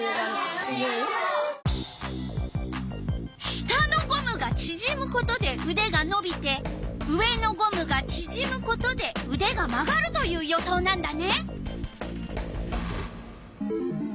下のゴムがちぢむことでうでがのびて上のゴムがちぢむことでうでが曲がるという予想なんだね。